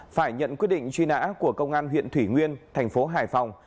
phải nhận quyết định truy nã của công an huyện thủy nguyên thành phố hải phòng